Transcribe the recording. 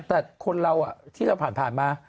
แต่คนเราที่เราผ่านมา